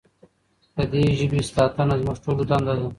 د دې ژبې ساتنه زموږ ټولو دنده ده.